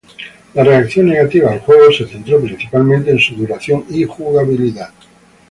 La reacción negativa al juego se centró principalmente en su duración y jugabilidad.